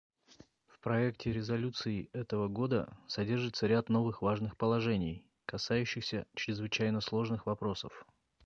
В проекте резолюции этого года содержится ряд новых важных положений, касающихся чрезвычайно сложных вопросов.